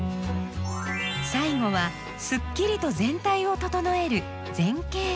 最後はすっきりと全体を整える「前景」。